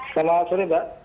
selamat sore mbak